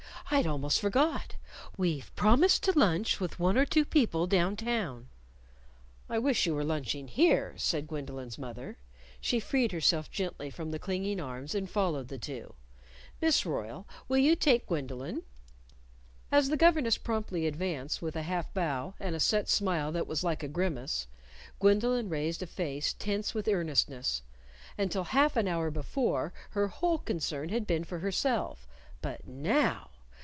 I'd almost forgot! We've promised to lunch with one or two people down town." "I wish you were lunching here," said Gwendolyn's mother. She freed herself gently from the clinging arms and followed the two. "Miss Royle, will you take Gwendolyn?" As the governess promptly advanced, with a half bow, and a set smile that was like a grimace, Gwendolyn raised a face tense with earnestness. Until half an hour before, her whole concern had been for herself. But now!